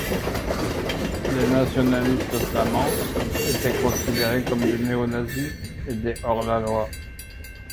Les nationalistes flamands étaient considérés comme des néonazis et des hors-la-loi.